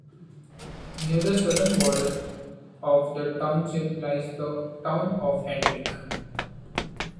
Near the southern border of the township lies the town of Hedrick.